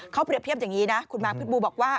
เขาเปรียบเทียบอย่างนี้นะคุณมาร์พิษบูบอกว่า